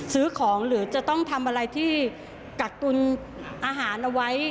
ซื้อของหรือจะต้องทำอะไรที่กักตุลอาหารเอาไว้